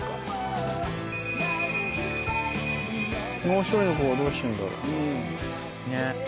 もう一人の方はどうしてんだろ？